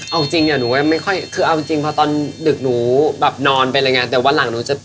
เอาจริงเนี่ยหนูก็ยังไม่ค่อยคือเอาจริงเพราะตอนดึกหนูแบบนอนไปแล้วไงเดี๋ยววันหลังหนูจะ